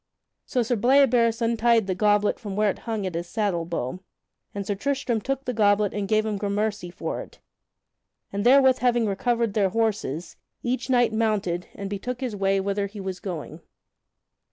So Sir Bleoberis untied the goblet from where it hung at his saddle bow, and Sir Tristram took the goblet and gave him gramercy for it; and therewith having recovered their horses, each knight mounted, and betook his way whither he was going.